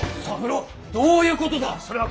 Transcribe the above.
三郎どういうことだ！